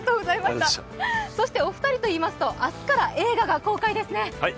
そしてお二人といいますと明日から映画が公開ですね。